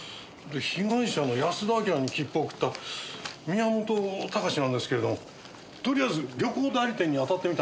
被害者の安田章に切符を送った宮本孝なんですけれどもとりあえず旅行代理店に当たってみたんですよ。